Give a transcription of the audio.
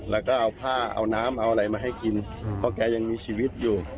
แล้วก็เอาผ้าเอาน้ำเอาอะไรมาให้กินเพราะแกยังมีชีวิตอยู่